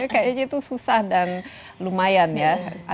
kayaknya itu susah dan lumayan ya